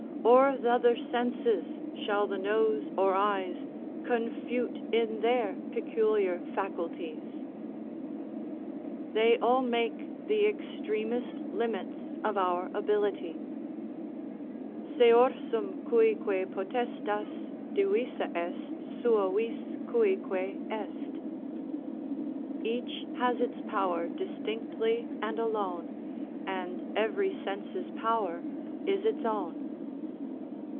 Or th' other senses, shall the nose or eyes Confute in their peculiar faculties?" They all make the extremest limits of our ability: Seorsum cuique potestas Divisa est, sua vis cuique est, "Each has its power distinctly and alone, And every sense's power is its own."